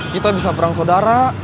kita bisa perang saudara